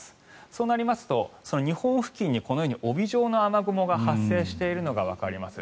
そうなりますと日本付近に帯状の雨雲が発生しているのがわかります。